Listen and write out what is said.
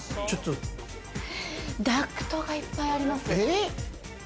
ダクトが、いっぱいあります。